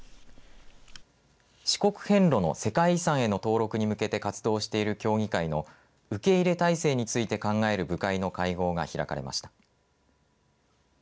四国遍路の世界遺産への登録に向けて活動している協議会の受け入れ態勢について考える部会の会合が開かれました。